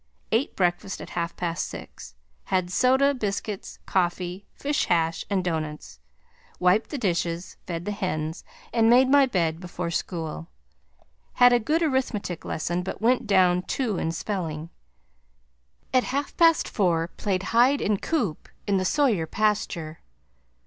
Ate breakfast at half past six. Had soda biscuits, coffee, fish hash and doughnuts. Wiped the dishes, fed the hens and made my bed before school. Had a good arithmetic lesson, but went down two in spelling. At half past four played hide and coop in the Sawyer pasture.